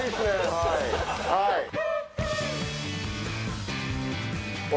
はいはい。